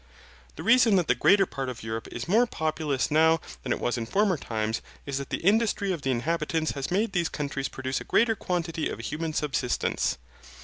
The reason that the greater part of Europe is more populous now than it was in former times, is that the industry of the inhabitants has made these countries produce a greater quantity of human subsistence.